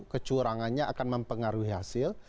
kecurangannya akan mempengaruhi hasil